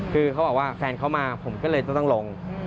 คือเขาบอกว่าแฟนเขามาผมก็เลยต้องลง